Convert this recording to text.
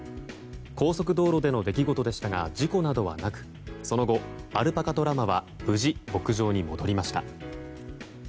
高速道路での出来事でしたが事故などはなくその後、アルパカとラマは無事、牧場に戻りました。